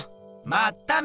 まっため！